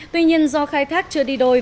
tuy nhiên do khai thác chưa đi đôi